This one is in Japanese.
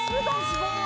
すごーい！